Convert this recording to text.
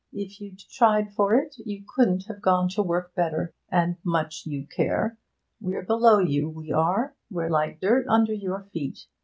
If you'd tried for it you couldn't have gone to work better. And much you care! We're below you, we are; we're like dirt under your feet!